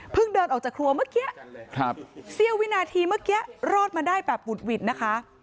เดินออกจากครัวเมื่อกี้เสี้ยววินาทีเมื่อกี้รอดมาได้แบบหุดหวิดนะคะ